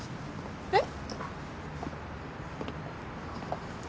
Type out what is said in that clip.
えっ？